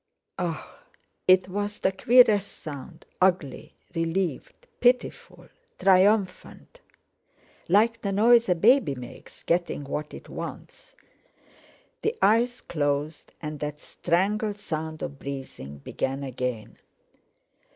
"Ah!" It was the queerest sound, ugly, relieved, pitiful, triumphant—like the noise a baby makes getting what it wants. The eyes closed, and that strangled sound of breathing began again.